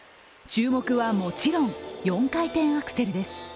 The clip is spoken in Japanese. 注目はもちろん、４回転アクセルです。